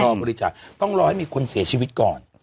บริจาคต้องรอให้มีคนเสียชีวิตก่อน